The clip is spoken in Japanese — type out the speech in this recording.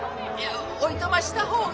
おいとました方が。